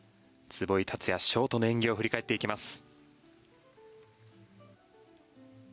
壷井達也、ショートの演技を振り返っていきます。